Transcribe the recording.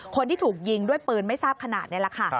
คนที่ถูกยิงด้วยปืนไม่ทราบขนาดนี้แหละค่ะ